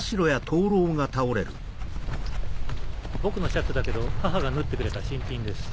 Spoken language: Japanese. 僕のシャツだけど母が縫ってくれた新品です。